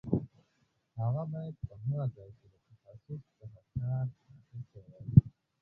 هغه باید په هغه ځای کې له تخصص څخه کار اخیستی وای.